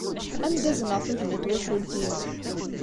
Ad am-d-azneɣ tugna n twacult-inu.